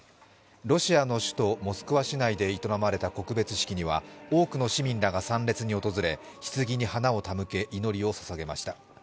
ロシアの首都モスクワ市内で営まれた告別式では多くの市民らが参列に訪れひつぎに花を手向け祈りをささげました。